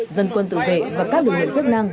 dân quân tự vệ và các lực lượng chức năng